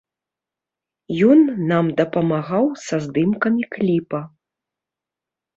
Ён нам дапамагаў са здымкамі кліпа.